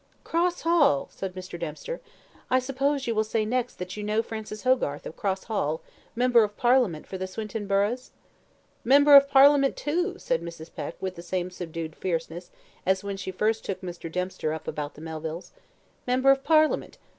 "Cross Hall!" said Mr. Dempster. "I suppose you will say next that you know Francis Hogarth, of Cross Hall, member of Parliament for the Swinton burghs?" "Member of Parliament, too!" said Mrs. Peck, with the same subdued fierceness as when she first took Mr. Dempster up about the Melvilles. "Member of Parliament!